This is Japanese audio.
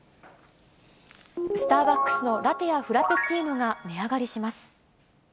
スターバックスのラテやフラペチーノが値上がりします。